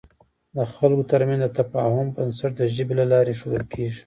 د خلکو تر منځ د تفاهم بنسټ د ژبې له لارې اېښودل کېږي.